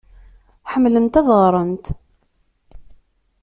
Ḥemmlent ad ɣrent.